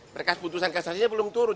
berkas putusan kasasinya belum turun